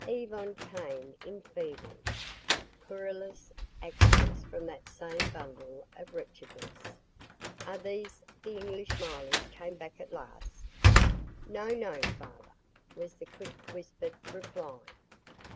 "Yvonne," came in feeble, querulous accents from that same bundle of wretchedness, "are these the English milors come back at last?" "No, no, father," was the quick whispered reply.